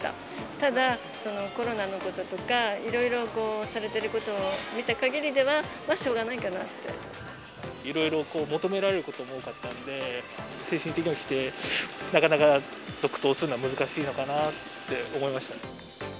ただ、コロナのこととか、いろいろされてることを見た限りでは、まあ、しょうがないかなって。いろいろ求められることも多かったので、精神的にもきて、なかなか続投するのは難しいのかなって思いましたね。